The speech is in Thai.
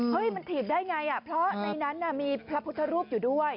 มันถีบได้ไงเพราะในนั้นมีพระพุทธรูปอยู่ด้วย